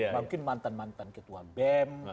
mungkin mantan mantan ketua bem